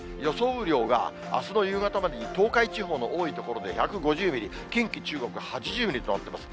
雨量があすの夕方までに東海地方の多い所で１５０ミリ、近畿、中国８０ミリとなってます。